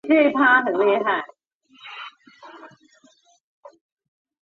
他花了一年的时间游说星巴克的老板聘用他。